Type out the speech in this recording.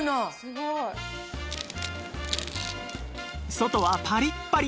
外はパリッパリ！